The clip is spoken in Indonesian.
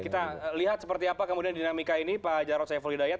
kita lihat seperti apa kemudian dinamika ini pak jarod saiful hidayat